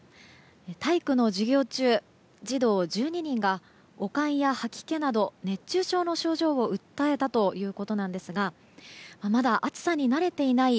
体育の授業中、児童１２人が悪寒や吐き気など熱中症の症状を訴えたということですがまだ暑さに慣れていない